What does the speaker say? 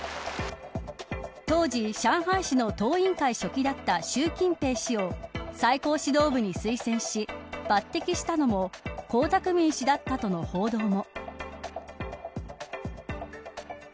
当時、上海市の党委員会書記だった習近平氏を最高指導部に推薦し抜てきしたのも江沢民氏だったとの報道も。